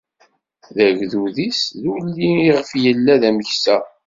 D agdud-is, d ulli iɣef yella d ameksa.